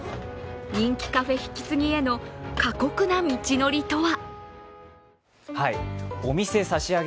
人気カフェ引き継ぎへの過酷な道のりとは。